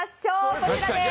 こちらです。